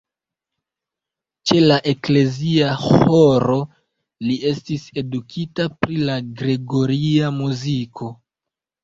Ĉe la eklezia ĥoro li estis edukita pri la gregoria muziko.